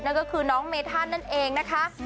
นั่นก็คือน้องเมธันนั่นเองนะคะ